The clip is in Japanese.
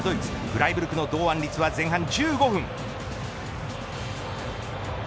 フライブルクの堂安律は前半１５分。